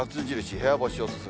部屋干しお勧め。